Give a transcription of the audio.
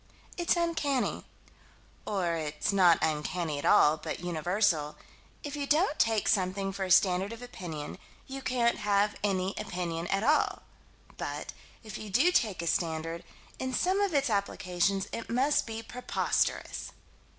It's uncanny or it's not uncanny at all, but universal if you don't take something for a standard of opinion, you can't have any opinion at all: but, if you do take a standard, in some of its applications it must be preposterous.